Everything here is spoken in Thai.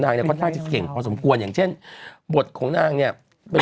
เนี่ยค่อนข้างจะเก่งพอสมควรอย่างเช่นบทของนางเนี่ยเป็น